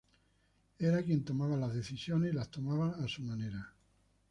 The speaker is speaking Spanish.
Era quien tomaba las decisiones y las tomaba a su manera.